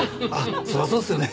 そりゃそうっすよね。